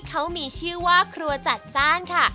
เขามีชื่อว่าครัวจัดจ้านค่ะ